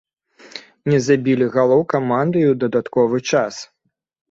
Не забілі галоў каманды і ў дадатковы час.